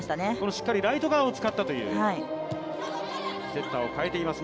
しっかりライト側を使ったという。